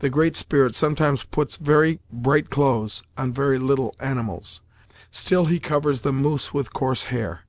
The Great Spirit sometimes puts very bright clothes on very little animals. Still He covers the Moose with coarse hair.